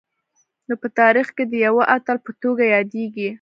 نو په تاریخ کي د یوه اتل په توګه یادیږي